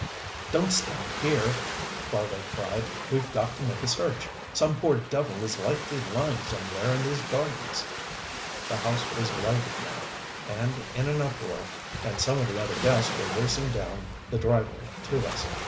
"Don't stand here!" Fargo cried. "We've got to make a search. Some poor devil is likely lying somewhere in these gardens " The house was lighted now, and in an uproar, and some of the other guests were racing down the driveway to us.